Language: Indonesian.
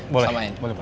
boleh boleh pak